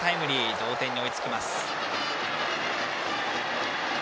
同点に追いつきます。